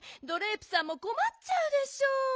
ドレープさんもこまっちゃうでしょう。